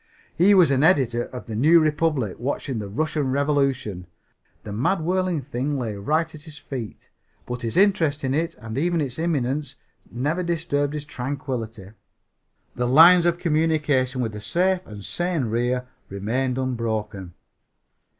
He was an editor of The New Republic watching the Russian Revolution. The mad whirling thing lay right at his feet, but his interest in it and even its imminence never disturbed his tranquillity. The lines of communication with the safe and sane rear remained unbroken.